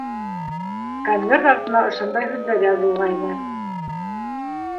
Конверт артына ошондай һүҙҙәр яҙылғайны: